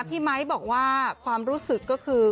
ไมค์บอกว่าความรู้สึกก็คือ